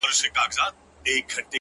• دي مــــړ ســي ـ